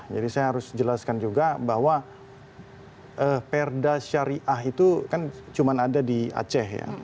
jadi saya harus jelaskan juga bahwa perda syariah itu kan cuma ada di aceh ya